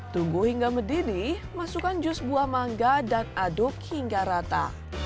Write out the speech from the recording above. tunggu hingga mendidih masukkan jus buah mangga dan aduk hingga rata